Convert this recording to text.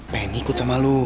pengen ikut sama lu